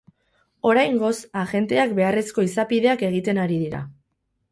Oraingoz, agenteak beharrezko izapideak egiten ari dira.